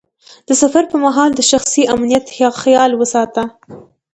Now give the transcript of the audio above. د سفر پر مهال د شخصي امنیت خیال وساته.